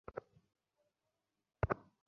আমার ভেতরে যেন ছাপ্পান্ন হাজার অন্ধ বেলুনের চিৎকার।